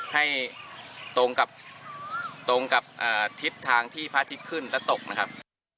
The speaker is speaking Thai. ให้ตรงกับตรงกับทิศทางที่พระอาทิตย์ขึ้นและตกนะครับ